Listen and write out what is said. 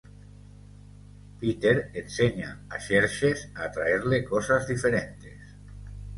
Peter enseña a Xerxes a traerle cosas diferentes.